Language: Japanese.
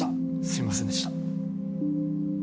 すいませんでした